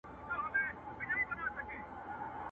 تا هم کړي دي د اور څنګ ته خوبونه؟؛!